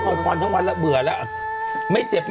ชอบคุณครับชอบคุณครับ